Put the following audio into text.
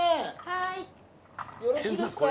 はーいよろしいですか？